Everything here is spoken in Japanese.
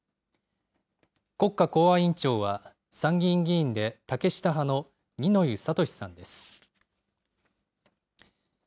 国家公安委員長は参議院議員で竹下派の二之湯智さんです。